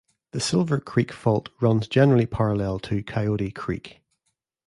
The Silver Creek Fault runs generally parallel to Coyote Creek.